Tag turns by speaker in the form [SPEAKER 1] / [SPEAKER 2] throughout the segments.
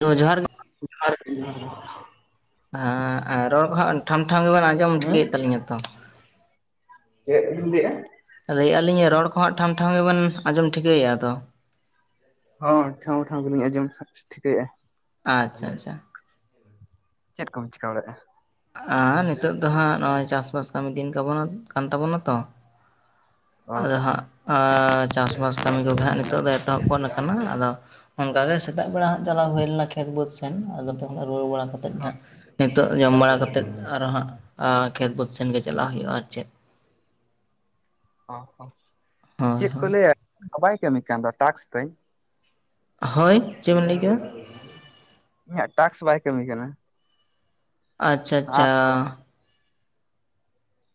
[SPEAKER 1] Hello ᱡᱚᱦᱟᱨ ᱜᱮ
[SPEAKER 2] ᱡᱚᱦᱟᱨ ᱜᱮ ᱡᱚᱦᱟᱨ ᱜᱮ
[SPEAKER 1] ᱨᱚᱲ ᱠᱚ ᱦᱟᱸᱜ ᱴᱷᱟᱢ ᱴᱷᱟᱢ ᱜᱮ ᱵᱮᱱ
[SPEAKER 2] ᱦᱩᱸ ᱪᱮᱫ ᱵᱤᱱ ᱞᱟᱹᱭᱮ ᱟ
[SPEAKER 1] ᱞᱟᱹᱭ ᱮᱫ ᱟᱹᱞᱤᱧ ᱨᱚᱲ ᱠᱚ ᱦᱟᱸᱜ ᱴᱷᱟᱢ ᱴᱷᱟᱢ ᱜᱮᱵᱮᱱ ᱟᱸᱡᱚᱢ ᱴᱷᱤᱠᱟᱹᱭᱮᱫᱼᱟ ᱛᱚ
[SPEAKER 2] ᱦᱚᱸ ᱴᱷᱟᱢ ᱴᱷᱟᱢ ᱜᱮᱞᱤᱧ ᱟᱸᱡᱚᱢ ᱴᱷᱤᱠᱟᱹᱭᱮᱫᱼᱟ
[SPEAKER 1] ᱟᱪᱪᱷᱟ ᱟᱪᱪᱷᱟ
[SPEAKER 2] ᱪᱮᱫ ᱠᱚᱢ ᱪᱤᱠᱟᱹ ᱵᱟᱲᱟ ᱮᱫᱼᱟ
[SPEAKER 1] ᱮ ᱱᱤᱛᱳ ᱫᱚ ᱦᱟᱸᱜ ᱱᱚᱜᱼᱚᱭ ᱪᱟᱥᱵᱟᱥ ᱠᱟᱹᱢᱤ ᱫᱤᱱ ᱠᱟᱵᱚᱱ ᱠᱟᱱ ᱛᱟᱵᱚᱱᱟ ᱛᱚ
[SPEAKER 2] ᱚ
[SPEAKER 1] ᱟᱫᱚ ᱦᱟᱸᱜ ᱪᱟᱥᱼᱵᱟᱥ ᱠᱟᱹᱢᱤ ᱠᱚᱜᱮ ᱦᱟᱜ ᱱᱤᱛᱚᱜ ᱫᱚ ᱮᱛᱚᱦᱚᱵ ᱜᱚᱫ ᱟᱠᱟᱱᱟ ᱟᱫᱚ ᱚᱱᱠᱟ ᱜᱮ ᱥᱮᱛᱟᱜ ᱵᱮᱲᱟ ᱦᱟᱸᱜ ᱪᱟᱞᱟᱣ ᱦᱩᱭ ᱞᱮᱱᱟ ᱠᱷᱮᱛ ᱵᱟᱹᱫᱽ ᱥᱮᱱ ᱟᱫᱚ ᱛᱚᱵᱮ ᱨᱩᱣᱟᱹᱲ ᱵᱟᱲᱟ ᱠᱟᱛᱮᱜ ᱜᱮ ᱦᱟᱸᱜ ᱱᱤᱛᱚᱜ ᱡᱚᱢ ᱵᱟᱲᱟ ᱠᱟᱛᱮᱫ ᱟᱨᱚ ᱦᱟᱸᱜ ᱠᱷᱮᱛ ᱵᱟᱹᱫᱽ ᱥᱮᱱᱜᱮ ᱪᱟᱞᱟᱣ ᱦᱩᱭᱩᱜᱼᱟ ᱟᱨ ᱪᱮᱫ
[SPEAKER 2] ᱚ
[SPEAKER 1] ᱦᱳᱭ
[SPEAKER 2] ᱪᱮᱫ ᱠᱚ
[SPEAKER 1] ᱦᱳᱭ
[SPEAKER 2] ᱞᱟᱹᱭᱟ ᱵᱟᱭ ᱠᱟᱹᱢᱤ ᱠᱟᱱ ᱫᱚ ᱴᱟᱠᱥ ᱛᱤᱧ
[SPEAKER 1] ᱦᱳᱭ ᱪᱮᱫ ᱵᱮᱤᱱ ᱞᱟᱹᱭ ᱠᱮᱫᱟ
[SPEAKER 2] ᱤᱧᱟᱹᱜ ᱴᱟᱠᱥ ᱵᱟᱭ ᱠᱟᱹᱢᱤ ᱠᱟᱱᱟ
[SPEAKER 1] ᱟᱪᱪᱷᱟ ᱟᱪᱪᱷᱟ
[SPEAKER 2] ᱟᱯᱥ ᱨᱮ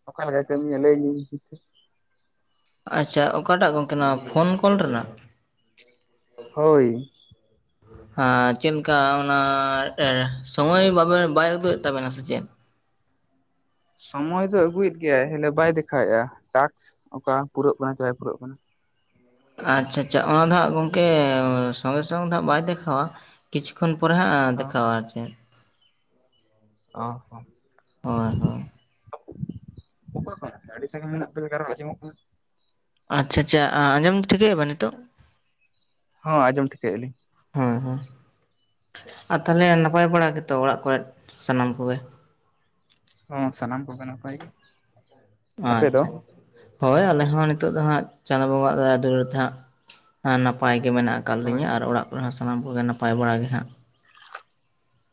[SPEAKER 2] ᱚᱠᱟ ᱞᱮᱠᱟᱭ ᱠᱟᱹᱢᱤᱭᱟ ᱞᱟᱹᱭ ᱤᱧ ᱵᱮᱱ ᱥᱮ
[SPEAKER 1] ᱟᱪᱪᱷᱟ ᱚᱠᱟᱴᱟᱜ ᱜᱚᱝᱠᱮ ᱯᱷᱳᱱ ᱠᱚᱞ ᱨᱮᱱᱟᱜ
[SPEAKER 2] ᱦᱳᱭ
[SPEAKER 1] ᱪᱮᱫ ᱞᱮᱠᱟ ᱚᱱᱟ ᱥᱚᱢᱚᱭ ᱵᱟᱭ ᱩᱫᱩᱜᱮᱫ ᱛᱟᱵᱮᱱᱟ ᱥᱮ ᱪᱮᱫ
[SPEAKER 2] ᱥᱚᱢᱚᱭ ᱫᱚ ᱟᱹᱜᱩᱭᱮᱫ ᱜᱮᱭᱟᱭ ᱦᱮ ᱵᱟᱭ ᱫᱮᱠᱷᱟᱣᱮᱫᱼᱟ ᱴᱟᱠᱥ ᱚᱠᱟ ᱯᱩᱨᱟᱹᱜ ᱠᱟᱱᱟ ᱥᱮ ᱵᱟᱭ ᱯᱩᱨᱟᱹᱜ ᱠᱟᱱᱟ
[SPEAKER 1] ᱟᱪᱪᱷᱟ ᱟᱪᱪᱷᱟ ᱚᱱᱟ ᱫᱚ ᱦᱟᱸᱜ ᱜᱚᱝᱠᱮ ᱥᱚᱸᱜᱮ ᱥᱚᱝᱮ ᱫᱚ ᱦᱟᱸᱜ ᱵᱟᱭ ᱫᱮᱠᱷᱟᱣᱟ ᱠᱤᱪᱷᱩ ᱠᱷᱚᱱ ᱯᱚᱨᱮ ᱦᱟᱸᱜ
[SPEAKER 2] ᱚ
[SPEAKER 1] ᱫᱮᱠᱷᱟᱣᱟ ᱟᱨ ᱪᱮᱫ
[SPEAKER 2] ᱚ ᱦᱚᱸ
[SPEAKER 1] ᱦᱳᱭ ᱦᱳᱭ
[SPEAKER 2] ᱚᱠᱟ ᱠᱷᱚᱱ ᱟᱹᱰᱤ ᱥᱟᱸᱜᱤᱧ [unintelligible] ᱞᱮᱠᱟ ᱨᱚᱲ ᱟᱸᱡᱚᱢᱚᱜ ᱠᱟᱱᱟ
[SPEAKER 1] ᱟᱪᱪᱷᱟ ᱟᱪᱪᱷᱟ ᱟᱸᱡᱚᱢ ᱴᱷᱤᱠᱟᱹᱭᱟ ᱵᱮᱱ ᱱᱤᱛᱚᱜ
[SPEAKER 2] ᱦᱳᱣ‌ ᱚᱸᱡᱚᱢ ᱴᱷᱤᱠᱟᱹᱭᱮᱫᱼᱟᱤᱧ
[SPEAKER 1] ᱦᱮᱸ ᱦᱮᱸ ᱟᱨ ᱛᱟᱦᱚᱞᱮ ᱱᱟᱯᱟᱭ ᱵᱟᱲᱟ ᱜᱮᱛᱚ ᱚᱲᱟᱜ ᱠᱚᱨᱮ ᱥᱟᱱᱟᱢ ᱠᱚᱜᱮ
[SPEAKER 2] ᱦ ᱥᱟᱱᱟᱢ ᱠᱚᱜᱮ ᱱᱟᱯᱟᱭ ᱜᱮ ᱟᱯᱮ ᱫᱚ
[SPEAKER 1] ᱟᱪᱪᱷᱟ ᱾ [inaudible] ᱦᱳᱭ ᱟᱞᱮᱦᱚᱸ ᱱᱤᱛᱚᱜ ᱫᱚ ᱦᱟᱸᱜ ᱪᱟᱸᱫᱳ ᱵᱚᱸᱜᱟ ᱟᱜ ᱫᱩᱞᱟᱹᱲ ᱛᱮ ᱦᱟᱸᱜ [inaudible] ᱮᱸ ᱱᱟᱯᱟᱭ ᱜᱮ ᱢᱮᱱᱟᱜ
[SPEAKER 2] ᱦᱳᱭ
[SPEAKER 1] ᱟᱠᱟᱜᱞᱤᱧᱟ ᱟᱨ ᱚᱲᱟᱜ ᱠᱚᱨᱮ ᱦᱚᱸ ᱥᱟᱱᱟᱢ ᱠᱚᱜᱮ ᱱᱟᱯᱟᱭ ᱵᱟᱲᱟ ᱜᱮ ᱦᱟᱸᱜ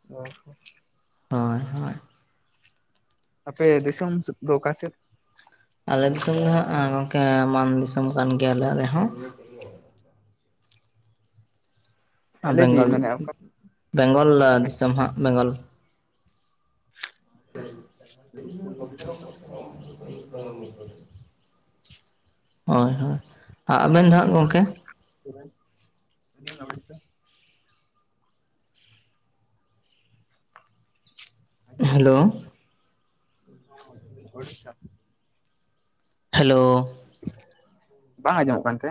[SPEAKER 2] [unintelligible]
[SPEAKER 1] ᱦᱳᱭ ᱦᱳᱭ ᱾
[SPEAKER 2] ᱟᱯᱮ ᱫᱤᱥᱚᱢ ᱥᱮᱫ ᱫᱚ ᱚᱠᱟ ᱥᱮᱫ?
[SPEAKER 1] ᱟᱞᱮ ᱫᱤᱥᱚᱢ ᱫᱚ ᱦᱟᱸᱜ ᱜᱚᱢᱠᱮ ᱢᱟᱱ ᱫᱤᱥᱚᱢ ᱠᱟᱱ ᱜᱮᱭᱟ ᱞᱮ ᱟᱞᱮᱦᱚᱸ ᱾
[SPEAKER 2] ᱦᱮᱸ
[SPEAKER 1] ᱟᱨ
[SPEAKER 2] ᱞᱟᱹᱭ ᱵᱤᱱ
[SPEAKER 1] ᱵᱮᱝᱜᱚᱞ
[SPEAKER 2] ᱢᱟᱱᱮ ᱚᱠᱟ
[SPEAKER 1] ᱵᱮᱝᱜᱚᱞ ᱫᱤᱥᱚᱢ ᱦᱟᱸᱜ ᱵᱮᱝᱜᱚᱞ ᱾
[SPEAKER 2] [unintelligible]
[SPEAKER 1] [unintelligible] ᱦᱳᱭ ᱦᱳᱭ ᱾ ᱟᱨ ᱟᱵᱮᱱ ᱫᱚ ᱦᱟᱜ ᱜᱚᱢᱠᱮ?
[SPEAKER 2] ᱥᱩᱨ ᱨᱮᱱ [inaudible] ᱟᱹᱞᱤᱧ ᱢᱟᱱ ᱫᱤᱥᱚᱢ ᱾ [inaudible]
[SPEAKER 1] ᱦᱮᱞᱳ ᱾
[SPEAKER 2] [unintelligible] ᱚᱲᱤᱥᱥᱟ ᱾
[SPEAKER 1] ᱦᱮᱞᱳᱻ
[SPEAKER 2] [inaudible] ᱵᱟᱝ ᱟᱸᱡᱚᱢᱚᱜ ᱠᱟᱱᱛᱮ?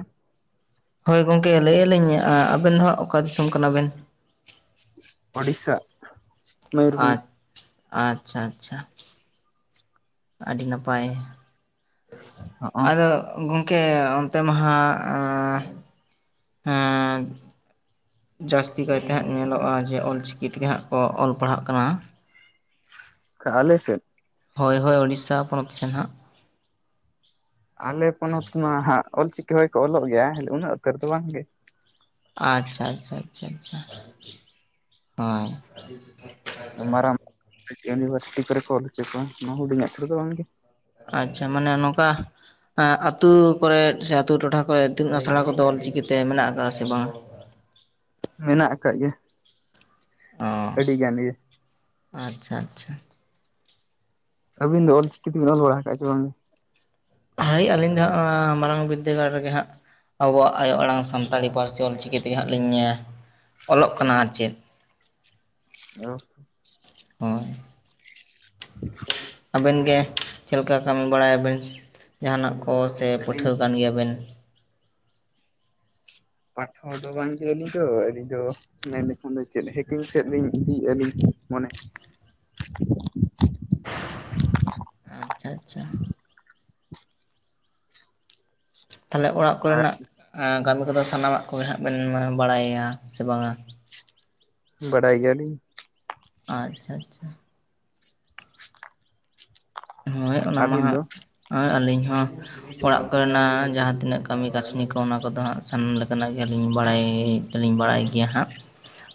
[SPEAKER 1] ᱦᱳᱭ ᱜᱚᱝᱠᱮ ᱞᱟᱹᱭᱮᱫ ᱟᱹᱞᱤᱧ ᱟᱵᱮᱱ ᱫᱚ ᱦᱟᱸᱜ ᱚᱠᱟ ᱫᱤᱥᱚᱢ ᱠᱟᱱᱟ ᱵᱮᱱ?
[SPEAKER 2] ᱳᱲᱤᱥᱥᱟ ᱾ [inaudible]
[SPEAKER 1] ᱟᱪ ᱟᱪᱪᱷᱟ ᱟᱪᱪᱷᱟ ᱾ ᱟᱹᱰᱤ ᱱᱟᱯᱟᱭ ᱾ [inaudible]
[SPEAKER 2] ᱦᱚᱸᱜ
[SPEAKER 1] ᱟᱫᱚ ᱜᱚᱝᱠᱮ ᱚᱱᱛᱮ ᱢᱟᱦᱟᱸᱜ ᱟᱸ [inaudible] ᱦᱟᱸ ᱾ ᱡᱟᱹᱥᱛᱤ ᱠᱟᱭᱛᱮ ᱦᱟᱸᱜ ᱧᱮᱞᱚᱜᱼᱟ ᱡᱮ ᱚᱞ ᱪᱤᱠᱤ ᱛᱮᱜᱮ ᱦᱟᱸᱜ ᱠᱚ ᱚᱞ ᱯᱟᱲᱦᱟᱜ ᱠᱟᱱᱟ ᱾
[SPEAKER 2] ᱚᱠᱟ ᱟᱞᱮ ᱥᱮᱫ?
[SPEAKER 1] ᱦᱳᱭ ᱦᱳᱭ ᱳᱲᱤᱥᱥᱟ ᱯᱚᱱᱚᱛ ᱥᱮᱫ ᱦᱟᱸᱜ ᱾
[SPEAKER 2] ᱟᱞᱮ ᱯᱚᱱᱚᱛ ᱢᱟ ᱦᱟᱸᱜ ᱚᱞᱪᱤᱠᱤ ᱦᱚᱭ ᱠᱚ ᱚᱞᱚᱜ ᱜᱮᱭᱟ ᱩᱱᱟᱹᱜ ᱩᱛᱟᱹᱨ ᱫᱚ ᱵᱟᱝᱜᱮ ᱾
[SPEAKER 1] ᱟᱪᱪᱷᱟ ᱟᱪᱪᱷᱟ ᱟᱪᱪᱷᱟ ᱟᱪᱪᱷᱟ ᱾ [inaudible] ᱦᱳᱭ ᱾
[SPEAKER 2] ᱢᱟᱨᱟᱝ ᱢᱟᱨ ᱤᱭᱩᱱᱤᱵᱷᱟᱨᱥᱤᱴᱤ ᱠᱚᱨᱮ ᱠᱚ ᱚᱞ ᱦᱚᱪᱚ ᱠᱚᱣᱟ ᱾ ᱱᱚᱣᱟ ᱦᱩᱰᱤᱧᱟᱜ ᱠᱚᱨᱮ ᱫᱚ ᱫᱚ ᱵᱟᱝᱜᱮ ᱾
[SPEAKER 1] ᱟᱪᱪᱷᱟ ᱢᱟᱱᱮ ᱱᱚᱝᱠᱟ ᱟᱸᱜ ᱟᱛᱳ ᱠᱚᱨᱮᱫ ᱥᱮ ᱟᱛᱳ ᱴᱚᱴᱷᱟ ᱠᱚᱨᱮ ᱤᱛᱩᱱ ᱟᱥᱲᱟ ᱠᱚᱫᱚ ᱚᱞ ᱪᱤᱠᱤ ᱛᱮ ᱢᱮᱱᱟᱜ ᱟᱠᱟᱫᱟ ᱥᱮ ᱵᱟᱝᱟ?
[SPEAKER 2] ᱢᱮᱱᱟᱜ ᱟᱠᱟᱫ ᱜᱮᱭᱟ
[SPEAKER 1] ᱚ
[SPEAKER 2] ᱟᱹᱰᱤ ᱜᱟᱱ ᱜᱮ ᱾
[SPEAKER 1] ᱟᱪᱪᱷᱟ ᱟᱪᱪᱷᱟ ᱾
[SPEAKER 2] ᱟᱹᱵᱤᱱ ᱫᱚ ᱚᱞᱪᱤᱠᱤ ᱛᱮᱵᱤᱱ ᱚᱞ ᱵᱟᱲᱟ ᱟᱠᱟᱫ ᱪᱮ ᱵᱟᱝ ᱜᱮ?
[SPEAKER 1] ᱦᱳᱭ ᱟᱹᱞᱤᱧ ᱫᱚ ᱦᱟᱸᱜ ᱚᱱᱟ ᱢᱟᱨᱟᱝ ᱵᱤᱫᱽᱫᱟᱹᱜᱟᱲ ᱨᱮᱜᱮ ᱦᱟᱸᱜ ᱟᱵᱚᱣᱟᱜ ᱟᱭᱳ ᱟᱲᱟᱝ ᱥᱟᱱᱛᱟᱲᱤ ᱯᱟᱹᱨᱥᱤ ᱚᱞᱪᱤᱠᱤ ᱛᱮᱜᱮ ᱦᱟᱸᱜ ᱞᱤᱧ ᱚᱞᱚᱜ ᱠᱟᱱᱟ ᱟᱨ ᱪᱮᱫ ᱾
[SPEAKER 2] [inaudible] ᱦᱮᱞᱳ ᱾
[SPEAKER 1] ᱦᱳᱭ ᱾
[SPEAKER 2] [inaudible]
[SPEAKER 1] ᱟᱵᱮᱱ ᱜᱮ ᱪᱮᱫ ᱞᱮᱠᱟ ᱠᱟᱹᱢᱤ ᱵᱟᱲᱟᱭᱟᱵᱮᱱ ᱡᱟᱦᱟᱱᱟᱜ ᱠᱚ ᱥᱮ
[SPEAKER 2] ᱟᱹᱞᱤᱧ
[SPEAKER 1] ᱯᱟᱹᱴᱷᱟᱹᱣᱟ ᱠᱟᱱ ᱜᱮᱭᱟᱵᱮᱱ?
[SPEAKER 2] ᱯᱟ. ᱴᱷᱟ. ᱣᱟ ᱫᱚ ᱵᱟᱝᱜᱤ ᱟᱹᱞᱤᱧ ᱫᱚ ᱾ ᱟᱹᱞᱤᱧ ᱫᱚ ᱢᱮᱱᱠᱷᱟᱱ ᱫᱚ ᱪᱮᱫ ᱦᱮᱠᱤᱝ ᱥᱮᱫ ᱞᱤᱧ ᱤᱫᱤᱭᱮᱫᱼᱟ ᱞᱤᱧ [unintelligible] [inaudible]
[SPEAKER 1] ᱟᱪᱪᱷᱟ ᱟᱪᱪᱷᱟ ᱾ ᱛᱟᱦᱚᱞᱮ ᱚᱲᱟᱜ
[SPEAKER 2] ᱟᱨ
[SPEAKER 1] ᱠᱚᱨᱮᱱᱟᱜ ᱟᱸ ᱠᱟᱹᱢᱤ ᱠᱚᱫᱚ ᱥᱟᱱᱟᱢᱟᱜ ᱠᱚᱜᱮ ᱦᱟᱸᱜ ᱵᱮᱱ ᱵᱟᱲᱟᱭᱟ ᱥᱮ ᱵᱟᱝᱟ?
[SPEAKER 2] ᱵᱟᱰᱟᱭ ᱜᱮᱭᱟᱞᱤᱧ᱾
[SPEAKER 1] ᱟᱼᱪᱪᱷᱟ-ᱪᱷᱟ᱾ ᱦᱳᱭ ᱚᱱᱟ
[SPEAKER 2] ᱟᱹᱵᱤᱱ ᱫᱚ
[SPEAKER 1] ᱢᱟᱦᱟᱸᱜ ᱚᱸ ᱟᱹᱞᱤᱧ ᱦᱚᱸ᱾ ᱚᱲᱟᱜ ᱠᱚᱨᱮᱱᱟᱜ ᱡᱟᱦᱟᱸ ᱛᱤᱱᱟᱹᱜ ᱠᱟᱹᱢᱤ ᱠᱟᱹᱥᱱᱤ ᱠᱚ, ᱚᱱᱟ ᱠᱚᱫᱚ ᱦᱟᱸᱜ ᱥᱟᱱᱟᱢ ᱞᱮᱠᱟᱱᱟᱜ ᱜᱮ ᱟᱹᱞᱤᱧ ᱵᱟᱲᱟᱭ ᱞᱤᱧ ᱵᱟᱲᱟᱭ ᱜᱮᱭᱟ ᱦᱟᱸᱜ᱾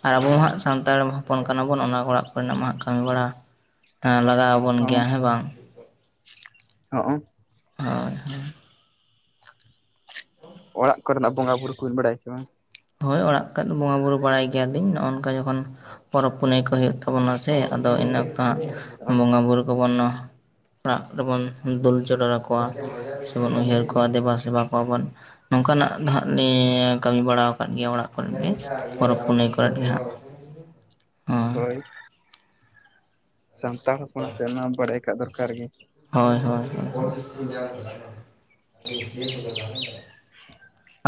[SPEAKER 1] ᱟᱨ ᱟᱵᱚ ᱢᱟᱦᱟᱸᱜ ᱥᱟᱱᱛᱟᱲ ᱯᱚᱱ ᱠᱟᱱᱟᱵᱚᱱ ᱚᱱᱟ ᱚᱲᱟᱜ ᱠᱚᱨᱮᱱᱟᱜ ᱢᱟᱦᱟᱸᱜ ᱠᱟᱹᱢᱤ ᱵᱟᱲᱟ ᱮᱸ ᱞᱟᱜᱟᱣ ᱟᱵᱚᱱ ᱜᱮᱭᱟ ᱦᱮᱸ, ᱵᱟᱝ!
[SPEAKER 2] ᱚ ᱚᱝ
[SPEAKER 1] ᱦᱚᱭ-ᱦᱚᱭ᱾
[SPEAKER 2] ᱚᱲᱟᱜ ᱠᱚᱨᱮᱱᱟᱜ ᱵᱚᱸᱜᱟ ᱵᱩᱨᱩ ᱠᱩᱣᱤᱱ ᱵᱟᱲᱟᱭᱟ ᱪᱮ ᱵᱟᱝ?
[SPEAKER 1] ᱦᱳᱭ ᱚᱲᱟᱜ ᱠᱨᱮᱫ ᱫᱚ ᱵᱚᱸᱜᱟ ᱵᱩᱨᱩ ᱵᱟᱲᱟᱭ ᱜᱮᱭᱟᱞᱤᱧ ᱱᱚᱜᱼᱚᱱᱝᱠᱟ, ᱡᱚᱠᱷᱚᱱ ᱯᱚᱨᱚᱵᱽ ᱯᱩᱱᱟᱹᱭ ᱠᱚ ᱦᱩᱭᱩᱜ ᱛᱟᱵᱚᱱᱟ ᱥᱮᱻ ᱟᱫᱚ ᱤᱱᱟᱹ ᱟᱸᱜ
[SPEAKER 2] ᱵᱟᱝ?
[SPEAKER 1] ᱵᱚᱸᱜᱟᱼᱵᱩᱨᱩ ᱠᱚᱵᱚᱱ ᱱᱚ ᱚᱲᱟᱜ ᱠᱚᱨᱮᱵᱚᱱ ᱫᱩᱞ ᱪᱚᱰᱚᱨ ᱟᱠᱚᱣᱟ᱾ ᱮᱵᱚᱱ ᱩᱭᱦᱟᱹᱨ ᱠᱚᱣᱟ ᱫᱮᱵᱟ-ᱥᱮᱵᱟ ᱠᱚᱣᱟ ᱵᱚᱱ, ᱱᱚᱝᱠᱟᱱᱟᱜ ᱫᱟ ᱦᱟᱸᱜ ᱱᱤᱼᱭᱮ ᱠᱟᱹᱢᱤ ᱵᱟᱲᱟ ᱠᱟᱫ ᱜᱮᱭᱟ ᱚᱲᱟᱜ ᱠᱚᱨᱮᱫ ᱜᱮ ᱯᱚᱨᱚᱵᱽ ᱯᱩᱱᱟᱹᱭ ᱠᱚᱨᱮ ᱜᱮ ᱦᱟᱸᱜ ᱩᱸ
[SPEAKER 2] ᱟᱹᱭ᱾ ᱥᱟᱱᱛᱟᱲ ᱦᱚᱯᱚᱱᱟᱜ ᱛᱮ ᱚᱱᱟ ᱵᱟᱲᱟᱭ ᱠᱟᱜ ᱫᱚᱨᱠᱟᱨ ᱜᱤ᱾
[SPEAKER 1] ᱦᱳᱭ, ᱦᱳᱭ, ᱦᱳᱭ᱾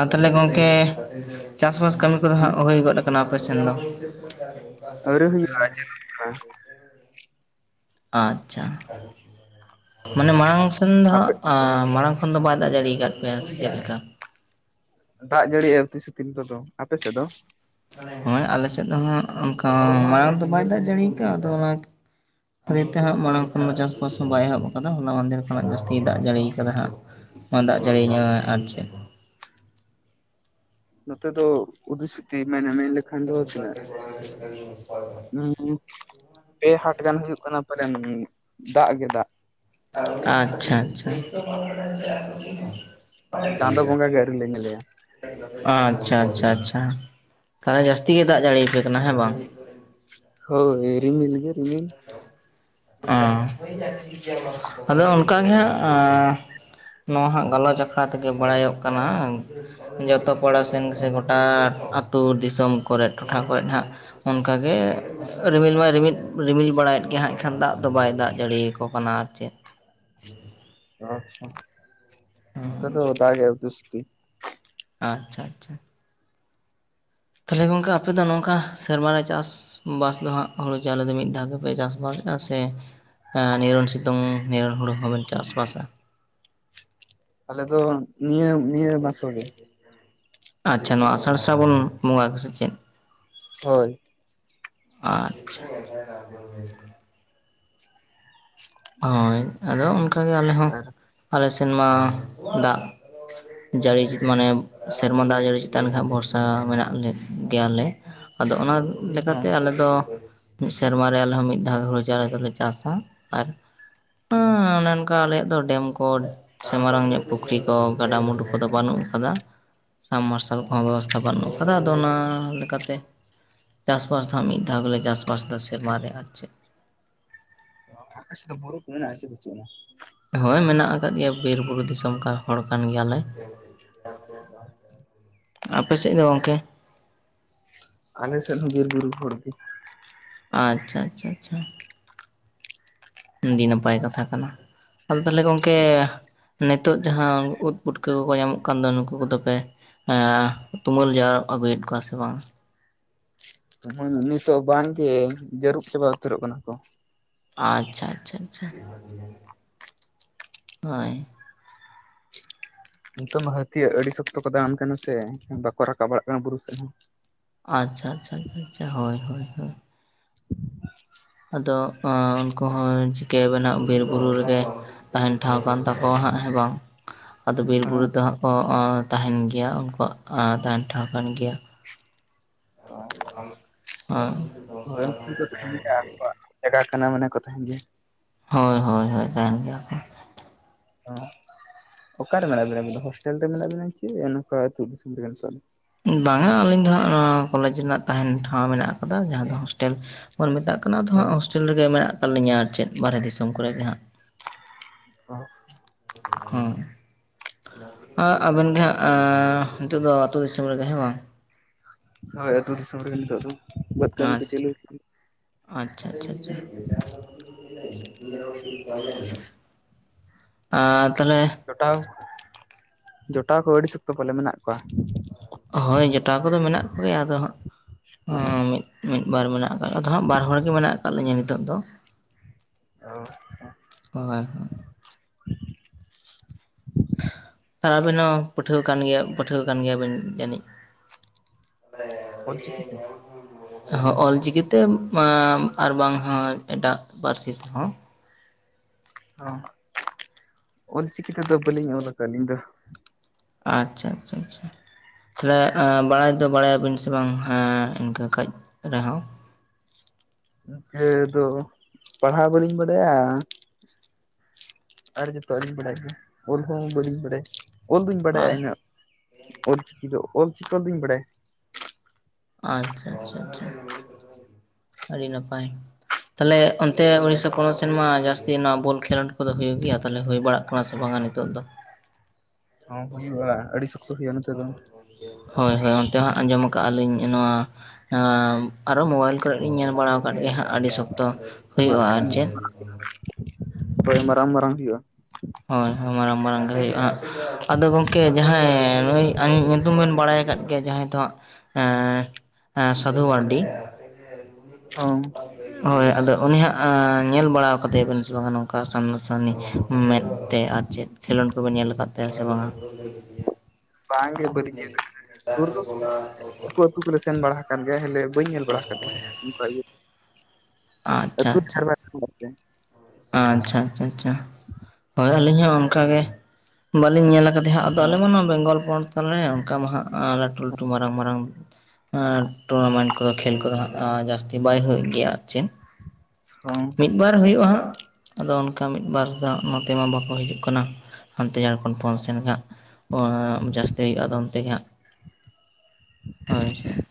[SPEAKER 1] ᱟ ᱛᱷᱟᱞᱮ ᱜᱚᱝᱠᱮ, ᱪᱟᱥ-ᱵᱟᱥ ᱠᱟᱹᱢᱤ ᱠᱚᱫᱚ ᱦᱟᱸᱜ
[SPEAKER 2] ᱦᱩᱸ
[SPEAKER 1] ᱦᱩᱭ ᱜᱚᱫ ᱠᱟᱱᱟ, ᱟᱯᱮ ᱥᱮᱱ ᱫᱚ?
[SPEAKER 2] ᱟᱣᱨᱤ ᱦᱩᱭᱩᱜᱼᱟ, ᱟᱣᱨᱤ ᱦᱩᱭᱩᱜᱼᱟ᱾
[SPEAKER 1] ᱟᱪᱪᱷᱟ ᱢᱟᱱᱮ ᱢᱟᱲᱟᱝ ᱥᱮᱱ ᱫᱚ
[SPEAKER 2] ᱟᱯᱮ
[SPEAKER 1] ᱦᱟᱸᱜ, ᱟᱸ ᱢᱟᱲᱟᱝ ᱠᱷᱚᱱ ᱫᱚ ᱵᱟᱭ ᱫᱟᱜ ᱡᱟᱹᱲᱤᱭ ᱠᱟᱫ ᱯᱮᱭᱟ ᱥᱮ ᱪᱮᱫ ᱞᱮᱠᱟ?
[SPEAKER 2] ᱫᱟᱜ ᱡᱟᱹᱲᱤᱭᱮ ᱤᱛᱤᱥᱤᱛᱤᱞ ᱫᱚ-ᱫᱚ, ᱟᱯᱮ ᱥᱮᱫ ᱫᱚ?
[SPEAKER 1] ᱦᱚᱸᱭ ᱟᱞᱮ ᱥᱮᱫ ᱫᱚ ᱦᱚᱸᱜ ᱚᱱᱠᱟᱶᱚ ᱢᱟᱲᱟᱝ ᱫᱚ ᱵᱟᱭ ᱫᱟᱜ ᱡᱟᱹᱲᱤᱭ ᱠᱟᱜᱼᱟ ᱟᱫᱚ ᱚᱱᱟᱠ ᱛᱷᱟᱫᱮ ᱛᱮ ᱟᱸᱜ ᱢᱟᱲᱟᱝ ᱠᱷᱚᱱ ᱪᱟᱥ-ᱯᱟᱥ ᱦᱚᱸ ᱵᱟᱭ ᱮᱦᱚᱵ ᱟᱠᱟᱫᱟ᱾ ᱦᱚᱞᱟ ᱢᱟᱫᱮᱨ ᱠᱷᱚᱱᱟᱜ ᱡᱟᱹᱥᱛᱤᱭ ᱫᱟᱜ ᱡᱟᱹᱲᱤᱭ ᱠᱟᱫᱟ ᱦᱟᱸᱜ᱾ ᱢᱟ ᱫᱟᱜ ᱡᱟᱹᱲᱤᱭᱧᱟ ᱟᱨ ᱪᱮᱫ?
[SPEAKER 2] ᱱᱚᱛᱮ ᱫᱚ ᱩᱫᱤ-ᱥᱩᱛᱤ ᱢᱮᱱᱟ ᱢᱮᱱ ᱞᱮᱠᱷᱟᱱ ᱫᱚ ᱛᱤᱱᱟᱹᱜ? ᱩᱸ ᱯᱮ ᱦᱟᱴ ᱜᱟᱱ ᱦᱩᱭᱩᱜ ᱠᱟᱱᱟ ᱯᱟᱞᱮᱹᱱ ᱫᱟᱜ ᱜᱮ ᱫᱟᱜ᱾
[SPEAKER 1] ᱟᱪᱪᱷᱟ-ᱪᱷᱟ᱾ ᱯᱟᱪᱮᱜ ᱴᱤᱠ
[SPEAKER 2] ᱪᱟᱸᱫᱳ
[SPEAKER 1] ᱜᱮᱭᱟ᱾
[SPEAKER 2] ᱵᱚᱸᱜᱟ ᱜᱮ ᱟᱹᱣᱨᱤ ᱞᱮ ᱧᱮᱞᱮᱭᱟ
[SPEAKER 1] ᱟᱼᱪᱪᱷᱟ, ᱪᱷᱟ, ᱪᱷᱟ, ᱛᱟᱦᱞᱮ ᱡᱟᱹᱥᱛᱤ ᱜᱮ ᱫᱟᱜ ᱡᱟᱹᱲᱤ ᱭᱟᱯᱮ ᱠᱟᱱᱟ ᱦᱮᱸ, ᱵᱟᱝ!
[SPEAKER 2] ᱦᱳᱭ, ᱨᱤᱢᱤᱞ ᱜᱮᱹ ᱨᱤᱢᱤᱞ᱾
[SPEAKER 1] ᱚᱸ ᱟᱫᱚᱸ ᱚᱱᱠᱟ ᱜᱮ ᱦᱟᱸᱜ ᱟᱸ ᱱᱚᱣᱟ ᱦᱟᱸᱜ ᱜᱟᱞᱚᱪ ᱟᱠᱷᱲᱟ ᱛᱮᱜᱮ ᱵᱟᱲᱟᱭᱚᱜ ᱠᱟᱱᱟᱻ ᱟᱝᱛᱷ ᱡᱚᱛᱚ ᱠᱚᱲᱟ ᱥᱮᱱ ᱥᱮ ᱜᱚᱴᱟ ᱟᱛᱩ ᱫᱤᱥᱚᱢ ᱠᱚᱨᱮᱜ, ᱴᱚᱴᱷᱟ ᱠᱚᱨᱮᱜ ᱦᱟᱸᱜ᱾ ᱚᱱᱠᱟ ᱜᱮᱹᱻ ᱨᱤᱢᱤᱞ ᱢᱟᱭ ᱨᱤᱢᱤᱫ, ᱨᱤᱢᱤᱞ ᱵᱟᱲᱟᱭᱮᱫ ᱜᱮ ᱦᱟᱸᱜ᱾ ᱠᱷᱟᱱ ᱫᱟᱜ ᱫᱚ, ᱵᱟᱭ ᱫᱟᱜ ᱡᱟᱹᱲᱤᱭ ᱠᱚ ᱠᱟᱱᱟ ᱟᱨ ᱪᱮᱫ!
[SPEAKER 2] ᱚᱼᱣᱟᱪᱪᱷᱟ, ᱱᱚᱛᱮ ᱫᱚ ᱫᱟᱜᱮ ᱩᱛᱤ-ᱥᱩᱛᱤ᱾
[SPEAKER 1] ᱟᱼᱪᱪᱷᱟ-ᱪᱷᱟ᱾ ᱛᱷᱟᱞᱮ ᱜᱚᱝᱠᱮ ᱟᱯᱮ ᱫᱚ ᱱᱚᱝᱠᱟᱦ ᱥᱮᱨᱢᱟᱨᱮ ᱪᱟᱥ- -ᱵᱟᱥ ᱫᱚ ᱦᱟᱸᱜ ᱦᱩᱲᱩ ᱪᱟᱣᱞᱮ ᱫᱚ ᱢᱤᱜ ᱫᱷᱟᱣ ᱜᱮᱯᱮ ᱪᱟᱥ-ᱵᱟᱥᱮᱜᱼᱟ ᱥᱮ ᱦᱮᱸ ᱱᱤᱨᱚᱱ ᱥᱤᱛᱩᱝ, ᱱᱤᱨᱚᱱ ᱦᱩᱲᱩ ᱦᱚᱸᱵᱮᱱ ᱪᱟᱥ-ᱵᱟᱥᱟ?
[SPEAKER 2] ᱟᱞᱮ ᱫᱚᱸ ᱱᱤᱭᱟᱹ ᱱᱤᱭᱟᱹ ᱢᱟᱥᱚ ᱜᱮ
[SPEAKER 1] ᱟᱪᱪᱷᱟ ᱱᱚᱹᱣᱟ ᱟᱥᱟᱲ ᱥᱨᱵᱚᱱ ᱵᱚᱸᱜᱟ ᱥᱮ ᱪᱮᱫ?
[SPEAKER 2] ᱦᱳᱭ ᱾
[SPEAKER 1] ᱟᱼᱪᱷᱟ ᱾ [inaudible] ᱦᱳᱭ, ᱟᱸᱫᱚ ᱚᱱᱠᱟᱹᱜᱮ ᱟᱸᱞᱮ ᱦᱚᱸ
[SPEAKER 2] ᱟᱨ
[SPEAKER 1] ᱟᱞᱮ ᱥᱮᱱ ᱢᱟ ᱫᱟᱜ ᱡᱟᱹᱲᱤ ᱪᱤᱫ ᱢᱟᱱᱮ ᱥᱮᱨᱢᱟ ᱫᱟᱜ ᱡᱟᱹᱲᱤ ᱪᱮᱛᱟᱱ ᱜᱮ ᱦᱟᱸᱜ ᱵᱷᱚᱨᱥᱟ ᱢᱮᱱᱟᱹᱜ ᱞᱮ ᱜᱮᱹᱭᱟᱞᱮ ᱾ ᱟᱫᱚ ᱚᱱᱟ
[SPEAKER 2] ᱦᱮᱸ
[SPEAKER 1] ᱞᱮᱠᱟᱛᱮ ᱟᱞᱮᱫᱚ ᱢᱤᱜ ᱥᱮᱨᱢᱟ ᱨᱮ ᱟᱸᱞᱮ ᱦᱚᱸ ᱢᱤᱫ ᱫᱷᱟᱣ ᱦᱩᱲᱩ ᱪᱟᱨᱟ ᱫᱚᱞᱮ ᱪᱟᱥᱟ, ᱟᱨ
[SPEAKER 2] ᱦᱮᱸ ᱾
[SPEAKER 1] ᱚᱱᱮ ᱚᱱᱠᱟᱹ ᱟᱸᱞᱮᱭᱟᱜ ᱫᱚ ᱰᱮᱢ ᱠᱚᱰ ᱥᱮ ᱢᱟᱨᱟᱝ ᱧᱚᱜ ᱯᱩᱠᱷᱨᱤ ᱠᱚ ᱜᱟᱰᱟᱼᱢᱩᱰᱩ ᱠᱚᱫᱚᱸ ᱵᱟᱹᱱᱩᱜ ᱟᱠᱟᱫᱟ, ᱥᱟᱢ ᱢᱟᱨᱥᱟᱞ ᱠᱚᱦᱚᱸ ᱵᱮᱵᱚᱥ ᱛᱦᱟ ᱵᱟᱹᱱᱩᱜ ᱠᱟᱫᱟ ᱟᱫᱚ ᱚᱱᱟ ᱞᱮᱹᱠᱟᱛᱮ ᱪᱟᱥ-ᱵᱟᱥ ᱫᱚ ᱢᱤᱫ ᱫᱟᱣ ᱜᱮᱞᱮ ᱪᱟᱥ-ᱵᱟᱥ ᱫᱟ ᱥᱮᱨᱢᱟᱨᱮ ᱟᱨ ᱪᱮᱫ ᱾
[SPEAKER 2] ᱟᱯᱮ ᱥᱮᱫ ᱫᱚ ᱵᱩᱨᱩ ᱠᱚ ᱢᱮᱱᱟᱜᱼᱟ ᱥᱮ ᱵᱟᱹᱪᱩᱜ ᱟᱱᱟ?
[SPEAKER 1] ᱦᱳᱭ ᱢᱮᱱᱟᱜ ᱟᱠᱟᱫ ᱜᱮᱭᱟ ᱵᱤᱨᱼᱵᱩᱨᱩ ᱫᱤᱥᱚᱢ ᱠᱟ ᱦᱚᱲ ᱠᱟᱱ ᱜᱮᱭᱟᱞᱮ ᱾
[SPEAKER 2] [inaudible]
[SPEAKER 1] ᱟᱯᱮ ᱥᱮᱡ ᱫᱚ ᱜᱚᱝᱠᱮ?
[SPEAKER 2] ᱟᱞᱮ ᱥᱮᱫ ᱦᱚᱸ ᱵᱤᱨ ᱵᱩᱨᱩ ᱦᱚᱲ ᱜᱮ ᱾
[SPEAKER 1] ᱟᱪᱪᱷᱟ ᱟᱪᱪᱷᱟ ᱟᱪᱪᱷᱟ ᱾ ᱟᱹᱰᱤ ᱱᱟᱯᱟᱭ ᱠᱟᱛᱷᱟ ᱠᱟᱱᱟ, ᱟᱫᱚ ᱛᱟᱦᱚᱞᱮ ᱜᱚᱝᱠᱮ ᱱᱤᱛᱚᱜ ᱡᱟᱦᱟᱸ ᱩᱫ ᱯᱩᱴᱠᱟᱹ ᱠᱚᱠᱚ ᱧᱟᱢᱚᱜ ᱠᱟᱱ ᱫᱚ ᱱᱩᱠᱩ ᱠᱚᱫᱚ ᱯᱮ ᱮᱸ ᱛᱩᱢᱟᱹᱞ ᱡᱟᱨᱩᱵᱽ ᱟᱹᱜᱩᱭᱮᱫ ᱠᱚᱣᱟ ᱥᱮ ᱵᱟᱝᱟ?
[SPEAKER 2] ᱛᱩᱢᱟᱝ ᱱᱤᱛ ᱦᱚᱸ ᱵᱟᱝᱜᱮ, ᱡᱟᱹᱨᱩᱵ ᱪᱟᱵᱟ ᱩᱛᱟᱹᱨᱚᱜ ᱠᱟᱱᱟ ᱠᱚ ᱾
[SPEAKER 1] ᱟᱪᱷᱟ ᱟᱪᱷᱟ ᱟᱪᱷᱟ, ᱦᱳᱭ ᱾
[SPEAKER 2] ᱱᱤᱛᱚᱝ ᱢᱟ ᱦᱟᱹᱛᱤᱭᱟᱜ ᱟᱹᱰᱤ ᱥᱚᱠᱛᱚ ᱠᱚ ᱫᱟᱬᱟᱱ ᱠᱟᱱᱟ ᱥᱮ ᱵᱟᱠᱚ ᱨᱟᱠᱟᱵ ᱵᱟᱹᱲᱟᱜ ᱠᱟᱱᱟ ᱵᱩᱨᱩ ᱥᱮᱫ ᱦᱚᱸ ᱾
[SPEAKER 1] ᱟᱪᱪᱷᱟ ᱟᱪᱪᱷᱟ ᱟᱪᱪᱷᱟ, ᱦᱳᱭ ᱦᱳᱭ ᱦᱳᱭ ᱾
[SPEAKER 2] [inaudible]
[SPEAKER 1] ᱟᱫᱚ ᱚᱸ ᱩᱱᱠᱩ ᱦᱚᱸ ᱪᱤᱠᱟᱹᱵᱮᱱ ᱦᱟᱸᱜ ᱵᱤᱨ ᱵᱩᱨᱩ ᱨᱮᱜᱮ ᱛᱟᱦᱮᱱ ᱴᱷᱟᱶ ᱠᱟᱱ ᱛᱟᱠᱚᱣᱟ ᱦᱟᱸᱜ ᱦᱮᱸ ᱵᱟᱝ! ᱟᱫᱚ ᱵᱤᱨ ᱵᱩᱨᱩ ᱫᱚ ᱦᱟᱸᱜ ᱠᱚᱸ ᱚᱸ ᱛᱟᱦᱮᱱ ᱜᱮᱭᱟ ᱩᱱᱠᱩᱣᱟᱜ ᱟᱸ ᱛᱟᱦᱮᱱ ᱴᱷᱟᱶ ᱠᱟᱱ ᱜᱮᱭᱟ ᱾ [inaudible] ᱚᱸ [inaudible]
[SPEAKER 2] ᱡᱟᱜᱟ ᱠᱟᱱᱟ ᱢᱟᱱᱮ ᱠᱚ ᱛᱟᱦᱮᱱ ᱜᱮᱭᱟ ᱾
[SPEAKER 1] ᱦᱳᱭ ᱦᱳᱭ ᱦᱳᱭ ᱛᱟᱦᱮᱱ ᱜᱮᱹᱭᱟ ᱠᱚ ᱾
[SPEAKER 2] ᱚᱸ ᱚᱠᱟᱨᱮ ᱢᱮᱱᱟᱜ ᱵᱤᱱᱟ ᱟᱵᱤᱱ ᱫᱚ ᱦᱚᱥᱴᱮᱞ ᱨᱮ ᱢᱮᱱᱟᱜ ᱵᱤᱱᱟ ᱪᱮ, ᱱᱚᱠᱟ ᱟᱛᱩ ᱫᱤᱥᱚᱢ ᱨᱮᱜᱮ ᱱᱤᱛᱚᱜ ᱫᱚ?
[SPEAKER 1] ᱵᱟᱝᱟ ᱟᱹᱞᱤᱧ ᱫᱚ ᱦᱟᱸᱜ ᱱᱚᱣᱟᱹ ᱠᱚᱞᱮᱡᱽ ᱨᱮᱱᱟᱜ ᱛᱟᱦᱮᱸᱱ ᱴᱷᱟᱶ ᱢᱮᱱᱟᱜ ᱟᱠᱟᱫᱟ ᱡᱟᱦᱟᱸ ᱫᱚ ᱦᱳᱥᱴᱮᱞ ᱵᱚᱱ ᱢᱮᱛᱟᱜ ᱠᱟ ᱱᱟ ᱟᱫᱚ
[SPEAKER 2] ᱫᱚ
[SPEAKER 1] ᱦᱟᱸᱜ ᱦᱳᱥᱴᱮᱞ ᱨᱮᱜᱮ ᱢᱮᱱᱟᱜ ᱟᱠᱟᱫ ᱞᱤᱧᱟᱹ ᱟᱨ ᱪᱮᱫ ᱵᱟᱨᱦᱮ ᱫᱤᱥᱚᱢ ᱠᱚᱨᱮ ᱜᱮ ᱦᱟᱸᱜ ᱾
[SPEAKER 2] [inaudible] ᱚᱸ
[SPEAKER 1] ᱦᱮᱸ ᱾ ᱟᱸᱜ ᱟᱵᱮᱱ ᱜᱮ ᱦᱟᱸᱜ ᱟᱸᱻ ᱱᱤᱛᱚᱜ ᱫᱚ ᱟᱛᱳ ᱫᱤᱥᱚᱢ ᱨᱮᱜᱮ ᱦᱮᱸ ᱵᱟᱝ?
[SPEAKER 2] ᱦᱳᱭ ᱟᱛᱩ ᱫᱤᱥᱚᱢ ᱨᱮᱜᱮ ᱱᱤᱛᱚᱜ ᱫᱚ, ᱵᱟᱹᱫᱷ ᱠᱟᱢᱤ ᱠᱚ
[SPEAKER 1] ᱟᱪᱪᱷᱟ
[SPEAKER 2] ᱪᱟᱞᱩ ᱦᱚᱪᱚᱱ
[SPEAKER 1] ᱟᱪᱪᱷᱟ ᱟᱪᱪᱷᱟ ᱟᱪᱪᱷᱟ ᱾ [inaudible] ᱟᱨ ᱛᱚᱞᱦᱮ
[SPEAKER 2] ᱡᱚᱴᱟᱣ ᱡᱚᱴᱟᱣ ᱠᱚ ᱟᱹᱲᱤ ᱥᱚᱠᱛᱚ ᱯᱟᱞᱮ ᱢᱮᱱᱟᱜ ᱠᱚᱣᱟ!
[SPEAKER 1] ᱦᱳᱭ ᱡᱚᱴᱟᱣ ᱠᱚᱫᱚ ᱢᱮᱱᱟᱜ ᱠᱚᱜᱮᱭᱟ ᱟᱫᱚ ᱦᱟᱸᱜ ᱢᱤᱫ ᱢᱤᱫ ᱵᱟᱨ ᱢᱮᱱᱟᱜ ᱟᱠᱟᱫᱟᱹ ᱟᱫᱚ ᱦᱟᱸᱜ ᱵᱟᱨ ᱦᱚᱲ ᱜᱮ ᱢᱮᱱᱟᱜ ᱟᱠᱟᱫ ᱞᱤᱧᱟᱹ ᱱᱤᱛᱚᱜ ᱫᱚ
[SPEAKER 2] [unintelligible]
[SPEAKER 1] [unintelligible] ᱟᱨ ᱟᱹᱵᱤᱱ ᱦᱚᱸ ᱯᱟᱹᱴᱷᱩᱣᱟᱹ ᱠᱟᱱ ᱜᱮᱭᱟ ᱯᱟᱹᱴᱷᱩᱣᱟᱹ ᱠᱟᱱ ᱜᱮᱭᱟᱵᱤᱱ ᱡᱟᱹᱱᱤᱡ ᱦᱮᱸ
[SPEAKER 2] ᱚᱞᱪᱤᱠᱤ
[SPEAKER 1] ᱟᱞᱤᱧ
[SPEAKER 2] ᱛᱮ
[SPEAKER 1] ᱦᱚᱸ ᱦᱚ ᱚᱞᱪᱤᱠᱤᱛᱮ ᱟᱨ ᱵᱟᱝ ᱦᱚᱸ ᱮᱴᱟᱜ ᱯᱟᱹᱨᱥᱤ ᱛᱮᱦᱚᱸ
[SPEAKER 2] ᱦᱚᱸ ᱚᱞᱪᱤᱠᱤ ᱛᱮᱫᱚ ᱵᱟᱹᱞᱤᱧ ᱚᱞ ᱟᱠᱟᱫᱼᱟ ᱟᱹᱞᱤᱧ ᱫᱚ
[SPEAKER 1] ᱟᱪᱪᱷᱟ ᱟᱪᱪᱷᱟ ᱟᱪᱷᱟ ᱛᱟᱦᱚᱞᱮ ᱵᱟᱲᱟᱭ ᱫᱚ ᱵᱟᱲᱟᱭᱟᱵᱤᱱ ᱥᱮ ᱵᱟᱝ ᱦᱮᱸ ᱤᱱᱠᱟᱹ ᱠᱟᱹᱡ ᱨᱮᱦᱚᱸ
[SPEAKER 2] ᱤᱭᱟᱹ ᱫᱚ ᱯᱟᱲᱦᱟᱣ ᱵᱟᱹᱞᱤᱧ ᱵᱟᱰᱟᱭᱟ ᱟᱨ ᱡᱚᱛᱚ ᱟᱹᱞᱤᱧ ᱵᱟᱲᱟᱭ ᱜᱮ ᱚᱞ ᱦᱚᱸ ᱵᱟᱞᱤᱧ ᱵᱟᱲᱟᱭ ᱚᱞ ᱫᱩᱧ ᱵᱟᱲᱟᱭᱟ
[SPEAKER 1] ᱟᱨ
[SPEAKER 2] ᱤᱱᱟᱹ ᱚᱞ ᱪᱤᱠᱤ ᱫᱚ ᱚᱞ ᱪᱤᱠᱤ ᱚᱞ ᱫᱩᱧ ᱵᱟᱲᱟᱭᱟ
[SPEAKER 1] ᱟᱪᱪᱷᱟ ᱟᱪᱪᱷᱟ ᱟᱪᱷᱟ ᱟᱪᱷᱟ ᱟᱹᱰᱤ ᱱᱟᱯᱟᱭ ᱛᱟᱦᱚᱞᱮ ᱚᱱᱛᱮ ᱩᱲᱤᱥᱥᱟ ᱯᱚᱱᱚᱛ ᱥᱮᱱᱢᱟ ᱡᱟᱹᱥᱛᱤ ᱱᱚᱣᱟ ᱵᱚᱞ ᱠᱷᱮᱞᱳᱰ ᱠᱚᱫᱚ ᱦᱩᱭᱩᱜ ᱜᱮᱭᱟ ᱛᱟᱦᱚᱞᱮ ᱦᱩᱭ ᱵᱟᱲᱟᱜ ᱠᱟᱱᱟ ᱥᱮ ᱵᱟᱝᱟ ᱱᱤᱛᱚᱜ ᱫᱚ
[SPEAKER 2] ᱦᱚᱸ ᱦᱩᱭᱩᱜᱼᱟ ᱟᱹᱰᱤ ᱥᱚᱠᱛᱚ ᱦᱩᱭᱩᱜᱼᱟ ᱱᱚᱛᱮ ᱫᱚ
[SPEAKER 1] ᱦᱳᱭ ᱦᱳᱭ ᱚᱱᱛᱮ ᱦᱟᱸᱜ ᱟᱸᱡᱚᱢ ᱠᱟᱜᱼᱟ ᱞᱤᱧ ᱱᱚᱣᱟ ᱟᱨᱚ ᱢᱳᱵᱟᱭᱤᱞ ᱠᱚᱨᱮᱜ ᱞᱤᱧ ᱧᱮᱞ ᱵᱟᱲᱟ ᱟᱠᱟᱫ ᱜᱮᱭᱟ ᱦᱟᱸᱜ ᱟᱹᱰᱤ ᱥᱚᱠᱛᱚ ᱦᱩᱭᱩᱜᱼᱟ ᱟᱨ ᱪᱮᱫ
[SPEAKER 2] [unintelligible] ᱢᱟᱨᱟᱝ ᱢᱟᱨᱟᱝ ᱦᱩᱭᱩᱜᱼᱟ
[SPEAKER 1] ᱦᱳᱭ ᱦᱳᱭ ᱢᱟᱨᱟᱝ ᱢᱟᱨᱟᱝ ᱜᱮ ᱦᱩᱭᱩᱜᱼᱟ ᱦᱟᱸᱜ ᱟᱫᱚ ᱜᱚᱢᱠᱮ ᱡᱟᱦᱟᱸᱭ ᱱᱩᱭ ᱟᱧ ᱧᱩᱛᱩᱢ ᱵᱮᱱ ᱵᱟᱲᱟᱭ ᱟᱠᱟᱫ ᱡᱟᱦᱟᱸᱭ ᱫᱚ ᱮᱹᱜ ᱥᱟᱫᱷᱩ ᱢᱟᱨᱟᱱᱰᱤ
[SPEAKER 2] ᱦᱚᱸ
[SPEAKER 1] ᱦᱳᱭ ᱟᱫᱚ ᱩᱱᱤ ᱦᱟᱸᱜ ᱧᱮᱞ ᱵᱟᱲᱟᱣ ᱠᱟᱫᱮᱭᱟ ᱵᱮᱱ ᱥᱮ ᱵᱟᱝᱟ ᱱᱚᱝᱠᱟ ᱥᱟᱢᱱᱟ ᱥᱟᱢᱱᱤ ᱢᱮᱫ ᱛᱮ ᱟᱨ ᱪᱮᱫ ᱠᱷᱮᱞᱳᱰ ᱠᱚᱵᱮ ᱧᱮᱞ ᱟᱠᱟᱫ ᱛᱟᱭᱟ ᱥᱮ ᱵᱟᱝᱟ
[SPEAKER 2] ᱵᱟᱝᱜᱮ ᱵᱟᱹᱞᱤᱧ ᱧᱮᱞ ᱠᱟᱫᱟ ᱥᱩᱨ ᱫᱚᱞᱮ ᱥᱩᱨ ᱜᱮᱭᱟ ᱟᱛᱳ ᱠᱚᱞᱮ ᱥᱮᱱ ᱵᱟᱲᱟ ᱟᱠᱟᱱ ᱜᱮᱭᱟ ᱦᱮᱞᱮ ᱵᱟᱹᱧ ᱧᱮᱞ ᱵᱟᱲᱟ ᱟᱠᱟᱫᱮᱭᱟ ᱱᱚᱝᱠᱟ ᱤᱭᱟᱹ
[SPEAKER 1] ᱟᱪᱪᱷᱟ
[SPEAKER 2] ᱟᱛᱳ
[SPEAKER 1] ᱟᱪᱪᱷᱟ
[SPEAKER 2] [unintelligible]
[SPEAKER 1] ᱟᱪᱪᱷᱟ ᱟᱪᱪᱷᱟ ᱟᱪᱪᱷᱟ ᱦᱳᱭ ᱟᱹᱞᱤᱧ ᱦᱚᱸ ᱚᱱᱠᱟᱜ ᱜᱮ ᱵᱟᱹᱞᱤᱧ ᱧᱮᱞ ᱟᱠᱟᱫᱟ ᱦᱟᱸᱜ ᱟᱫᱚ ᱟᱞᱮ ᱢᱟ ᱱᱚᱣᱟ ᱵᱮᱝᱜᱚᱞ ᱯᱚᱱᱚᱛ ᱛᱟᱞᱮ ᱚᱱᱠᱟ ᱢᱟ ᱦᱟᱸᱜ ᱞᱟᱹᱴᱩ ᱞᱟᱹᱴᱩ ᱢᱟᱨᱟᱝ ᱢᱟᱨᱟᱝ ᱟᱨ ᱴᱩᱨᱱᱟᱢᱮᱱᱴ ᱠᱚᱫᱚ ᱠᱷᱮᱞ ᱠᱚᱫᱚ ᱦᱟᱸᱜ ᱡᱟᱹᱥᱛᱤ ᱵᱟᱭ ᱦᱩᱭᱩᱜ ᱜᱮᱭᱟ ᱟᱨ ᱪᱮᱫ
[SPEAKER 2] ᱦᱚᱸ
[SPEAKER 1] ᱢᱤᱫ ᱵᱟᱨ ᱦᱩᱭᱩᱜᱼᱟ ᱦᱟᱸᱜ ᱟᱫᱚ ᱚᱱᱠᱟ ᱢᱤᱫᱵᱟᱨ ᱫᱚ ᱱᱚᱛᱮ ᱢᱟ ᱵᱟᱠᱚ ᱦᱤᱡᱩᱜ ᱠᱟᱱᱟ ᱦᱟᱱᱛᱮ ᱡᱷᱟᱲᱠᱷᱚᱸᱰ ᱯᱚᱱᱚᱛ ᱥᱮᱱ ᱠᱟᱜ ᱡᱟᱹᱥᱛᱤ ᱦᱩᱭᱩᱜᱼᱟ ᱟᱫᱚ ᱚᱱᱛᱮᱜᱮ ᱦᱟᱸᱜ ᱦᱳᱭ ᱥᱮ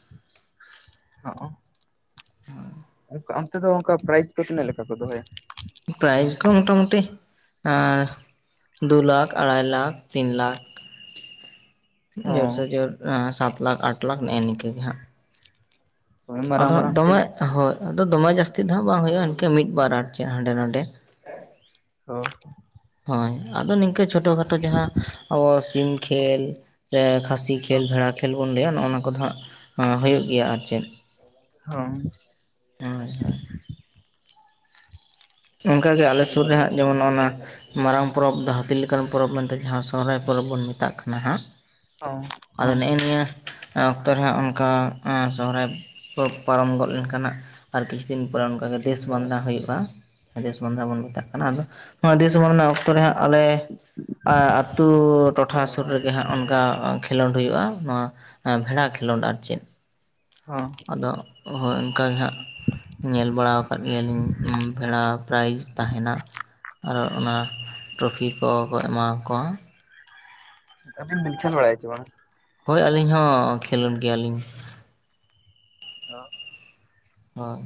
[SPEAKER 2] ᱚᱱᱛᱮ ᱫᱚ ᱚᱱᱠᱟ ᱯᱨᱟᱭᱤᱡ ᱠᱚ ᱛᱤᱱᱟᱹᱜ ᱞᱮᱠᱟ ᱠᱚ ᱫᱚᱦᱚᱭᱟ
[SPEAKER 1] ᱯᱨᱟᱭᱤᱡ ᱠᱚ ᱢᱚᱴᱟᱢᱩᱴᱤ ᱟᱸ ᱫᱩ ᱞᱟᱠᱷ ᱟᱲᱟᱭ ᱞᱟᱠᱷ ᱛᱤᱱ ᱞᱟᱠᱷ
[SPEAKER 2] [inaudible]
[SPEAKER 1] ᱡᱚᱨ ᱥᱮ ᱡᱚᱨ ᱥᱟᱛ ᱞᱟᱠᱷ ᱟᱴ ᱞᱟᱠᱷ ᱮᱱᱠᱟ ᱜᱮ ᱦᱟᱸᱜ
[SPEAKER 2] ᱦᱚᱸ
[SPEAKER 1] ᱟᱫᱚ
[SPEAKER 2] ᱢᱟᱨᱟᱝ
[SPEAKER 1] ᱦᱟᱸᱜ
[SPEAKER 2] ᱢᱟᱨᱟᱝ
[SPEAKER 1] ᱫᱚᱢᱮ
[SPEAKER 2] ᱯᱷᱤᱞᱰ
[SPEAKER 1] ᱦᱳᱭ ᱟᱫᱚ ᱫᱚᱢᱮ ᱡᱟᱹᱥᱛᱤ ᱫᱚ ᱦᱟᱸᱜ ᱵᱟᱝ ᱦᱩᱭᱩᱜᱼᱟ ᱤᱱᱠᱟᱹ ᱢᱤᱫ ᱵᱟᱨ ᱟᱨ ᱪᱮᱫ ᱦᱟᱸᱰᱮ ᱱᱟᱰᱮ
[SPEAKER 2] ᱚᱸ
[SPEAKER 1] ᱦᱳᱭ ᱟᱫᱚ ᱱᱤᱝᱠᱟᱹ ᱪᱷᱳᱴᱚ ᱠᱷᱟᱴᱳ ᱡᱟᱦᱟᱸ ᱟᱵᱚ ᱥᱤᱢ ᱠᱷᱮᱞ ᱥᱮ ᱠᱷᱟᱹᱥᱤ ᱠᱷᱮᱞ ᱵᱷᱮᱲᱟ ᱠᱷᱮᱞ ᱵᱚᱱ ᱞᱟᱹᱭᱟ ᱱᱚᱜᱼᱱᱟ ᱠᱚᱫᱚ ᱦᱟᱸᱜ ᱦᱩᱭᱩᱜ ᱜᱮᱭᱟ ᱟᱨ ᱪᱮᱫ
[SPEAKER 2] ᱦᱚ
[SPEAKER 1] ᱦᱚ ᱟᱪᱪᱷᱟ ᱟᱪᱷᱟ ᱚᱝᱠᱟᱜᱮ ᱟᱞᱮ ᱥᱩᱨ ᱨᱮᱦᱟᱸᱜ ᱡᱮᱢᱚᱱ ᱱᱚᱜᱱᱟ ᱢᱟᱨᱟᱝ ᱯᱚᱨᱚᱵᱽ ᱫᱚ, ᱦᱟᱹᱛᱤ ᱞᱮᱠᱟᱱ ᱯᱚᱨᱚᱵᱽ ᱢᱮᱱᱛᱮ, ᱡᱟᱦᱟᱸ ᱥᱚᱦᱚᱨᱟᱭ ᱯᱚᱨᱚᱵᱽ ᱵᱚᱱ, ᱢᱮᱛᱟᱜ ᱠᱟᱱᱟ ᱦᱟᱸᱜ,
[SPEAKER 2] ᱦᱚᱸ
[SPEAKER 1] ᱟᱫᱚ,
[SPEAKER 2] ᱦᱚᱸ
[SPEAKER 1] ᱱᱮᱜᱼᱮ ᱱᱤᱭᱟᱹ, ᱚᱠᱛᱚ ᱨᱮ ᱦᱟᱸᱜ, ᱚᱱᱠᱟ ᱮᱸᱼ ᱥᱚᱦᱨᱟᱭ ᱠᱚ, ᱯᱟᱨᱚᱢ ᱜᱚᱫ ᱞᱮᱱᱠᱷᱟᱱ, ᱟᱨ ᱠᱤᱪᱷᱩ ᱫᱤᱱ ᱯᱚᱨᱮ, ᱚᱱᱠᱟᱜᱮ ᱫᱮᱥ ᱵᱟᱸᱫᱽᱱᱟ, ᱦᱩᱭᱩᱜᱼᱟ ᱾ ᱫᱮᱥ ᱵᱟᱸᱫᱽᱱᱟ ᱵᱚᱱ ᱢᱮᱛᱟᱜ ᱠᱟᱱᱟ ᱾ ᱟᱫᱚ, ᱱᱚᱣᱟ ᱫᱮᱥ ᱵᱟᱸᱫᱽᱱᱟ ᱛᱚ, ᱨᱮ ᱦᱟᱸᱜ, ᱟᱞᱮ ᱟᱹᱛᱩ, ᱴᱚᱴᱷᱟ ᱥᱩᱨ ᱨᱮᱜᱮ ᱦᱟᱸᱜ, ᱚᱱᱠᱟ ᱠᱷᱮᱞᱳᱱᱰ ᱦᱩᱭᱩᱜᱼᱟ, ᱱᱚᱣᱟ, ᱵᱷᱮᱲᱟ ᱠᱷᱮᱞᱳᱰ, ᱟᱨ ᱪᱮᱫ?
[SPEAKER 2] ᱦᱚᱸᱻ ᱾
[SPEAKER 1] ᱟᱫᱚ, ᱦᱳᱭ! ᱚᱱᱠᱟᱮ ᱜᱮ ᱦᱟᱸᱜ, ᱧᱮᱞ ᱵᱟᱲᱟ ᱟᱠᱟᱫ ᱜᱮᱭᱟ ᱞᱤᱧ, ᱩᱸᱝ ᱵᱷᱮᱲᱟ ᱯᱨᱟᱭᱤᱡᱽ ᱛᱟᱦᱮᱱᱟ ᱾ ᱟᱨ, ᱚᱱᱟ ᱴᱨᱚᱯᱷᱤ ᱠᱚᱠᱚ, ᱮᱢᱟ ᱠᱚᱣᱟ ᱾
[SPEAKER 2] ᱟᱵᱤᱱ ᱵᱤᱱ, ᱞᱠᱷᱮᱞ ᱵᱟᱲᱟᱭ ᱟᱪᱮ ᱵᱟᱝ?
[SPEAKER 1] ᱦᱳᱭ! ᱟᱹᱞᱤᱧ ᱦᱚᱸ, ᱠᱷᱮᱞᱳᱰ ᱜᱮᱭᱟᱞᱤᱧ ᱾
[SPEAKER 2] ᱦᱟᱲᱚ, ᱾
[SPEAKER 1] ᱦᱳᱭ ᱾